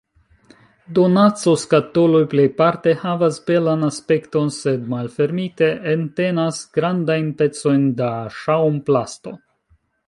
Donacoskatoloj plejparte havas belan aspekton, sed malfermite, entenas grandajn pecojn da ŝaŭmplasto.